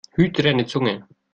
Hüte deine Zunge!